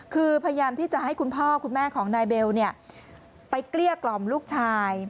คือพยายามที่จะให้คุณพ่อคุณแม่ของนายเบลไปเกลี้ยกล่อมลูกชาย